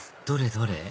どれ？